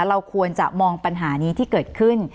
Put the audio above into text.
เราควรจะมองปัญหานี้ที่เกิดขึ้น